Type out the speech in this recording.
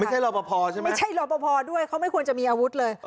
ไม่ใช่หลอบพอด์ใช่ไหมไม่ใช่หลอบพอด์ด้วยเขาไม่ควรจะมีอาวุธเลย